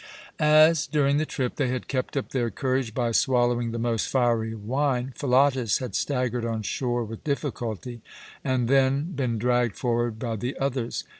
As, during the trip, they had kept up their courage by swallowing the most fiery wine, Philotas had staggered on shore with difficulty and then been dragged forward by the others.